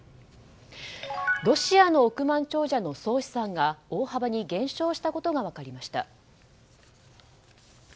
ロシアの億万長者の総資産が大幅に減少したことが分かりました。